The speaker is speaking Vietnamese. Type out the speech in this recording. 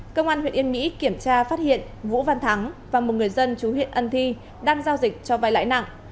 cơ quan huyện yên mỹ kiểm tra phát hiện vũ văn thắng và một người dân chú huyện ân thi đang giao dịch cho vay lãi nặng